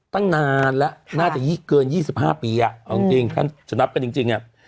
ตั้งนานแล้วน่าจะเกิน๒๕ปีอ่ะเอาจริงถ้าจะนับกันจริงอ่ะ